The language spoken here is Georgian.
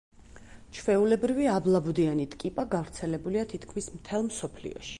ჩვეულებრივი აბლაბუდიანი ტკიპა გავრცელებულია თითქმის მთელ მსოფლიოში.